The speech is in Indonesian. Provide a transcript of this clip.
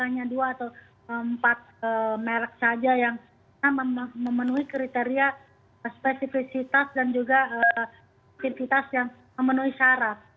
hanya dua atau empat merek saja yang memenuhi kriteria spesifisitas dan juga aktivitas yang memenuhi syarat